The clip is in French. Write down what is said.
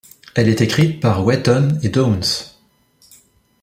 Elle est écrite par Wetton et Downes.